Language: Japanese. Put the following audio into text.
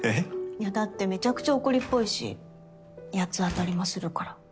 いやだってめちゃくちゃ怒りっぽいし八つ当たりもするから。